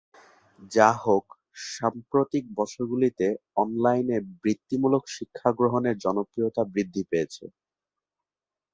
যাহোক, সাম্প্রতিক বছরগুলিতে অনলাইনে বৃত্তিমূলক শিক্ষা গ্রহণের জনপ্রিয়তা বৃদ্ধি পেয়েছে।